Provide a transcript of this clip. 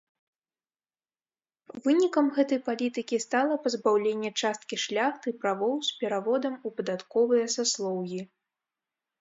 Вынікам гэтай палітыкі стала пазбаўленне часткі шляхты правоў з пераводам у падатковыя саслоўі.